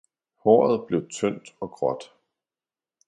Håret blev tyndt og gråt.